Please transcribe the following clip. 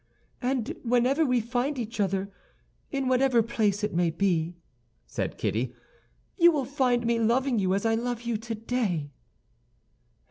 "And whenever we find each other, in whatever place it may be," said Kitty, "you will find me loving you as I love you today."